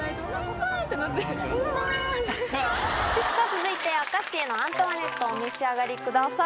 続いてアカシエのアントワネットお召し上がりください。